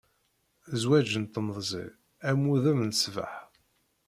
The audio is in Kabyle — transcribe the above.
Zwaǧ n temẓi am wudem n ṣṣbeḥ.